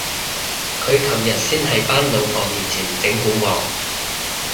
佢尋日先喺班老婆面前整蠱我